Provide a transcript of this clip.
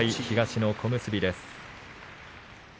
東の小結です。